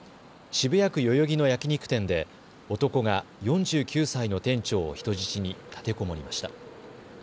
渋谷区代々木の焼き肉店で男が４９歳の店長を人質に立てこもりました。